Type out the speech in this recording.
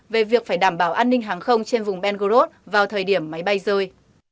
về việc phải đảm bảo an ninh hàng không trên vùng ben gorod vào thời điểm máy bay rơi